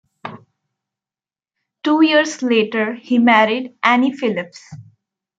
Two years later, he married Annie Phillips.